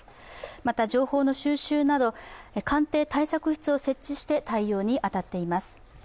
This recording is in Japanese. また情報の収集など、官邸対策室を設置して対応に当たっています。